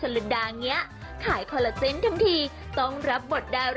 แม่ข้าวสารแม่ข้าวสาร